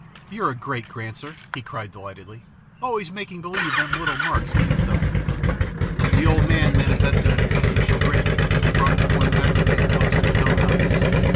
"You're a great Granser," he cried delightedly, "always making believe them little marks mean something." The old man manifested an accustomed chagrin as he brought the coin back again close to his own eyes.